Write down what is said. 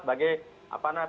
sebagai apa namanya